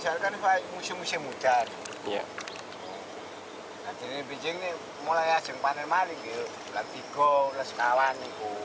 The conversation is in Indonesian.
saat musim musim hujan ya hai nanti di beijing mulai asyik panen maling itu lebih goles kawan